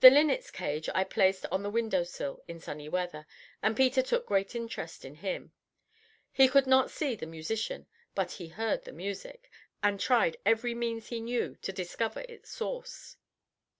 The linnet's cage I placed on the window sill in sunny weather, and Peter took great interest in him. He could not see the musician, but he heard the music, and tried every means he knew to discover its source.